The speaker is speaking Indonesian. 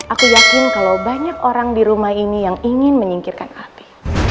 aku yakin kalau banyak orang di rumah ini yang ingin menyingkirkan hati